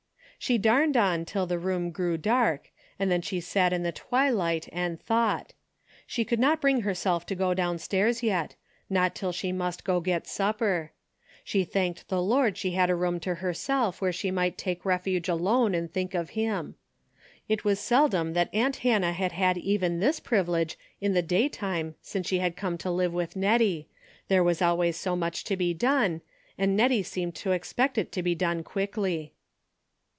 She darned on till the room grew dark, and then she sat in the twilight and thought. She could not bring herself to go downstairs yet, not till she must to get supper. She thanked the Lord she had a room to herself where she might take refuge alone and think of him. It was seldom that aunt Hannah had had even this privilege in the daytime since she had come to live with Hettie, there was always so much to be done, and Hettie seemed to expect it to be done quickly.